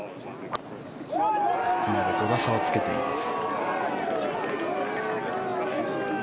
５打差をつけています。